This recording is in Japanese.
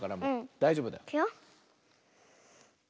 だいじょうぶだ。いくよ。